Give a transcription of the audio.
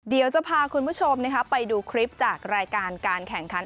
เดี๋ยวจะพาคุณผู้ชมไปดูคลิปจากรายการการแข่งขัน